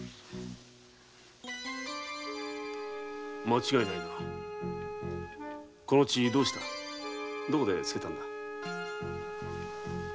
間違いないなこの血どうしたどこで着けたんだ。